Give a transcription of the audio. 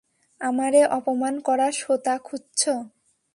আমারে অপমান করা সোঁতা খুজতো।